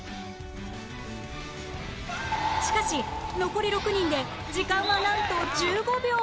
しかし残り６人で時間はなんと１５秒